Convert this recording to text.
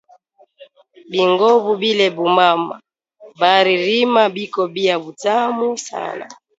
Bingovu bile ba mama bari rima biko bia butamu sana